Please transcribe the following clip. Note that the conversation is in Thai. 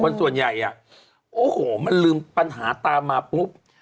ส่วนใหญ่อ่ะโอ้โหมันลืมปัญหาตามมาปุ๊บ